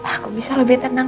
aku bisa lebih tenang